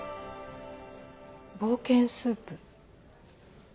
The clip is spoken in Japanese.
「冒険スープ」。